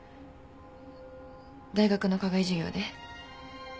大学の課外授業で。